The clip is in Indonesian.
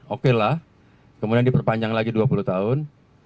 oke lah kemudian diperpanjang lagi dua puluh tahun